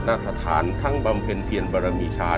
สถานทั้งบำเพ็ญเพียรบารมีชาย